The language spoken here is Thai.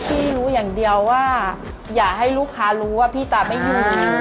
พี่รู้อย่างเดียวว่าอย่าให้ลูกค้ารู้ว่าพี่ตาไม่อยู่